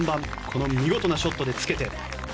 この見事なショットでつけて。